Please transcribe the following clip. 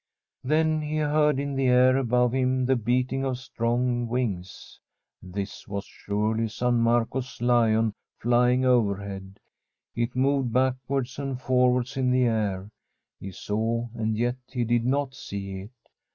Then he heard in the air above him the beating The Fisherman's RING of strong wings ; this was surely San Marco's lion flying overhead. It moved backwards and forwards in the air ; he saw and yet he did not see it.